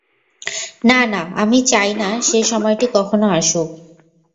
না, না, আমি চাই না সে সময়টি কখনও আসুক।